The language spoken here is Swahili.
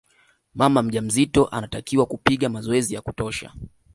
mama mjamzito anatakiwa kupiga mazoezi ya kutosha